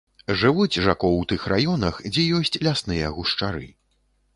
Жывуць жако ў тых раёнах, дзе ёсць лясныя гушчары.